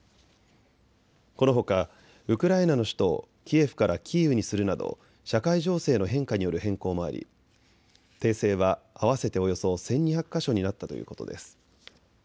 このほかウクライナの首都をキエフからキーウにするなど社会情勢の変化による変更もあり訂正は合わせておよそ１２００か所になったということです。